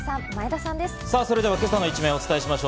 さぁ、それでは今朝の一面をお伝えしましょう。